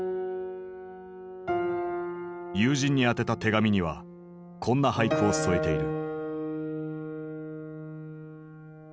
友人に宛てた手紙にはこんな俳句を添えている。